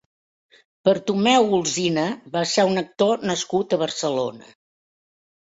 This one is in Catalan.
Bartomeu Olsina va ser un actor nascut a Barcelona.